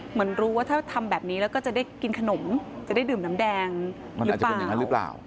เหมือนรู้ว่าถ้าทำแบบนี้แล้วก็จะได้กินขนมจะได้ดื่มน้ำแดงหรือเปล่า